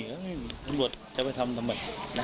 แล้วตำรวจจะไปทำทำไม